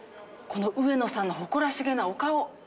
この上野さんの誇らしげなお顔。